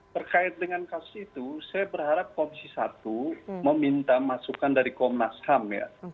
terkait dengan kasus itu saya berharap komisi satu meminta masukan dari komnas ham ya